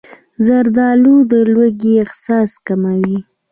زردالو د لوږې احساس کموي.